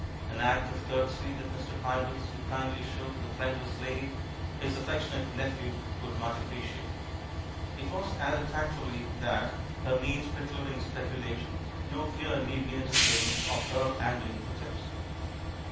An act of courtesy that Mr. Pybus would kindly show to the friendless lady, his affectionate nex^hew would much appreciate. It was added tactfully that, her means preclud ing speculation, no fear need be entertained of her angling for tips.